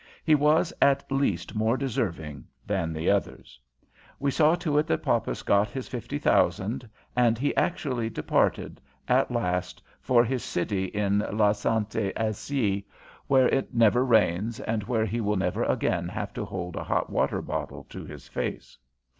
He was at least more deserving than the others. We saw to it that Poppas got his fifty thousand, and he actually departed, at last, for his city in la sainte Asie, where it never rains and where he will never again have to hold a hot water bottle to his face.